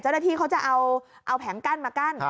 เจ้าหน้าที่เขาจะเอาแผงกั้นมากั้น